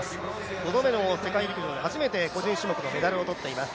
５度目の世界陸上で初めて個人種目でメダルを取っています。